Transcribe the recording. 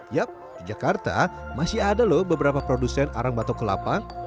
yap di jakarta masih ada loh beberapa produsen arang batok kelapa